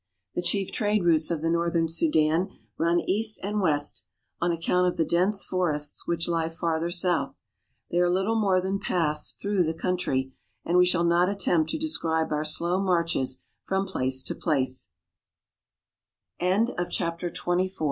The chief trade routes of the northern Sudan run east and west, on account of the dense forests which lie farther south. They are little more than paths through the coun try, and we shall not attempt to describe our slow marches from place